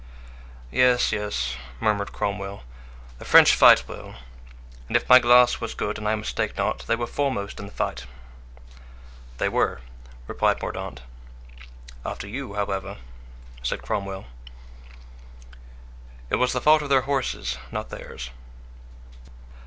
"Yes, yes," murmured Cromwell; "the French fight well; and if my glass was good and I mistake not, they were foremost in the fight." "They were," replied Mordaunt. "After you, however," said Cromwell. "It was the fault of their horses, not theirs."